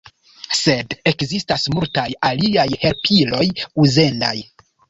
Sed ekzistas multaj aliaj helpiloj uzendaj.